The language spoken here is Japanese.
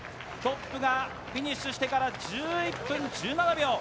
トップがフィニッシュしてから１１分１７秒。